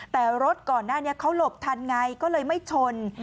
แต่รถก่อนหน้านี้เขาหลบทันไงก็เลยไม่ชน